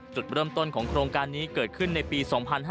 จุดเริ่มต้นของโครงการนี้เกิดขึ้นในปี๒๕๕๙